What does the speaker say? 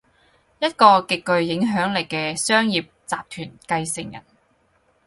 一個極具影響力嘅商業集團繼承人